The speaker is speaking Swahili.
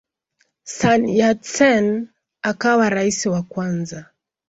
Sun Yat-sen akawa rais wa kwanza.